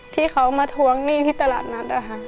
ที่เขามาทวงหนี้ที่ตลาดนัดนะคะ